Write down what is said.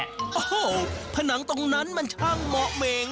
โอ้โหผนังตรงนั้นมันช่างเหมาะเมง